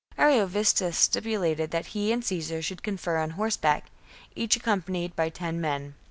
Ariovistus stipulated that he and Caesar should confer on horseback, each accompanied by ten ijien.